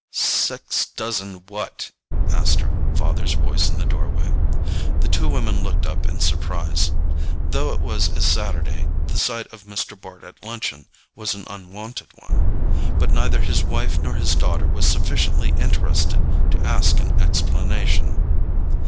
"Six dozen what?" asked her father's voice in the doorway. The two women looked up in surprise; though it was a Saturday, the sight of Mr. Bart at luncheon was an unwonted one. But neither his wife nor his daughter was sufficiently interested to ask an explanation.